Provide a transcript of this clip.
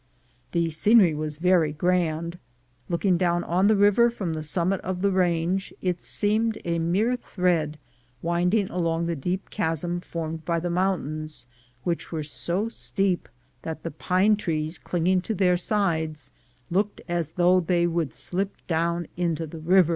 The scenery was very grand. Looking down bn the river from the summit of the range, it seemed a mere thread winding along the deep chasm formed by the mountains, which were so steep that the pine trees clinging to their sides looked as though they would slip down into the river.